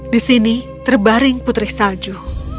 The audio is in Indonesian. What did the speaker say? di sini terbaring putri salju